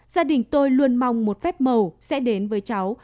gia đình tôi luôn mong một phép màu sẽ đến với cháu